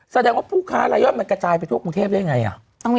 แสดงว่าผู้ค้ารายย่อยมันกระจายไปทั่วกรุงเทพได้ยังไง